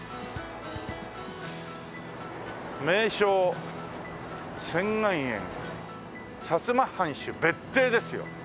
「名勝仙巌園」「摩藩主別邸」ですよ。